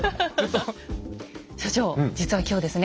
所長実は今日ですね